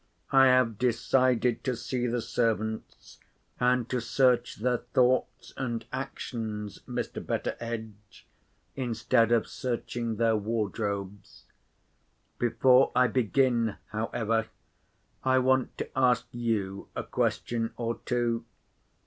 I have decided to see the servants, and to search their thoughts and actions, Mr. Betteredge, instead of searching their wardrobes. Before I begin, however, I want to ask you a question or two.